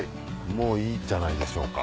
もういいんじゃないでしょうか。